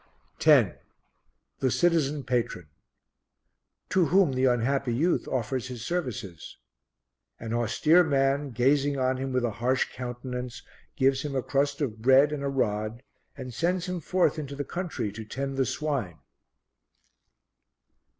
10. The Citizen Patron to whom the unhappy youth offers his services. An austere man, gazing on him with a harsh countenance, gives him a crust of bread and a rod and sends him forth into the country to tend the swine.